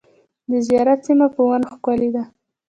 د زیارت سیمه په ونو ښکلې ده .